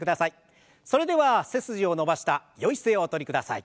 それでは背筋を伸ばしたよい姿勢をおとりください。